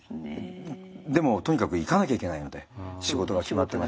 でもとにかく行かなきゃいけないので仕事が決まってましたんで。